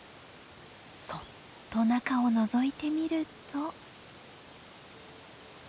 そっと中をのぞいてみると。